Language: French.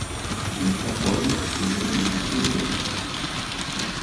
Le cajón se joue avec les pieds et les mains.